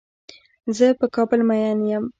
زۀ په کابل مين يم.